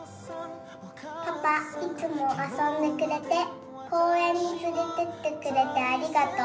パパいつも遊んでくれて公園に連れてってくれてありがとう」。